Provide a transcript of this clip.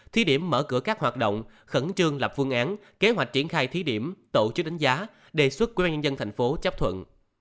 thi điểm mở cửa các hoạt động khẩn trương lập phương án kế hoạch triển khai thí điểm tổ chức đánh giá đề xuất quỹ ban nhân dân thành phố chấp thuận